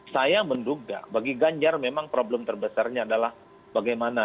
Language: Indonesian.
saya menduga bagi ganjar memang problem terbesarnya adalah bagaimana